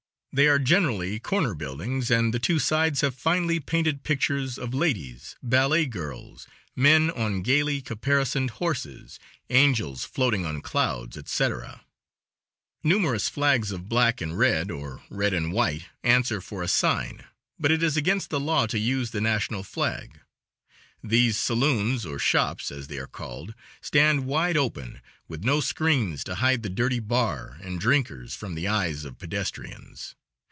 They are generally corner buildings, and the two sides have finely painted pictures of ladies, ballet girls, men on gayly caparisoned horses, angels floating on clouds, etc. Numerous flags of black and red, or red and white, answer for a sign, but it is against the law to use the national flag. These saloons, or shops, as they are called, stand wide open, with no screens to hide the dirty bar and drinkers from the eyes of pedestrians.